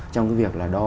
trong cái việc là đo